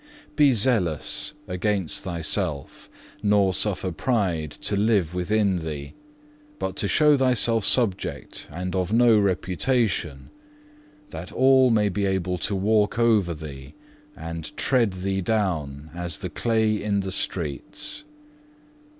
3. "Be zealous against thyself, nor suffer pride to live within thee, but so show thyself subject and of no reputation, that all may be able to walk over thee, and tread thee down as the clay in the streets.